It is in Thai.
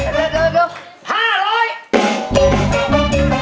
เราดีนะ